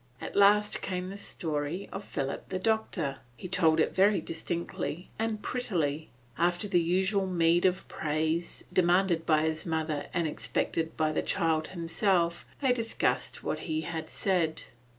At last came the story of Philip the Doctor. He told it very distinctly and prettily. After the usual meed of praise, demanded by his mother and expected by the child himself, they discussed what he had said.